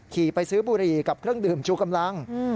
ขี่ไปซื้อบุหรี่กับเครื่องดื่มชูกำลัง